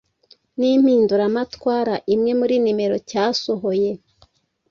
nimpinduramatwara. Imwe muri nimero cyasohoye,